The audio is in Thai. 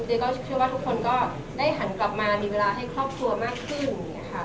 เชื่อว่าทุกคนก็ได้หันกลับมามีเวลาให้ครอบครัวมากขึ้นอย่างนี้ค่ะ